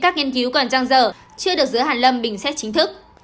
các nghiên cứu còn trăng dở chưa được giữa hẳn lâm bình xét chính thức